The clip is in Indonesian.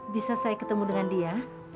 bisa saya ketemu dengan dia